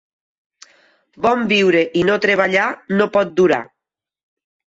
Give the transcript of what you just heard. Bon viure i no treballar no pot durar.